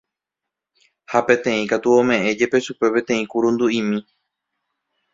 ha peteĩ katu ome'ẽ jepe chupe peteĩ kurundu'imi